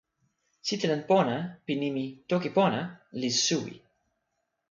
sitelen pona pi nimi "toki pona" li suwi.